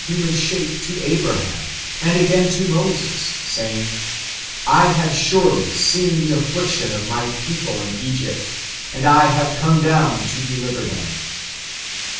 human shape to Abraham,^ and again to Moses, saying, ^' I have surely seen the affliction of my people in Egypt, and I have come down to dehver them."